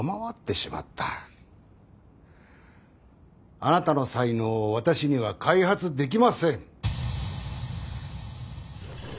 あなたの才能を私には開発できません。